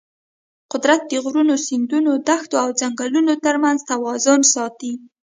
قدرت د غرونو، سیندونو، دښتو او ځنګلونو ترمنځ توازن ساتي.